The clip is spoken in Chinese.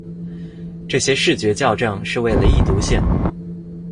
这些视觉校正是为了易读性。